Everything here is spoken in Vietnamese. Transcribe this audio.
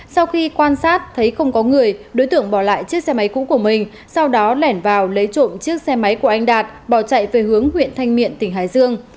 sau khi quan sát thấy không có người đối tượng bỏ lại chiếc xe máy cũ của mình sau đó lẻn vào lấy trộm chiếc xe máy của anh đạt bỏ chạy về hướng huyện thanh miện tỉnh hải dương